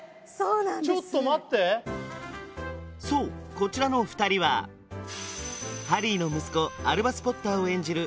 ちょっと待ってそうこちらの２人はハリーの息子アルバス・ポッターを演じる